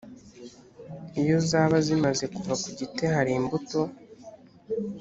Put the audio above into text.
iyo zaba zimaze kuva ku giti hari imbuto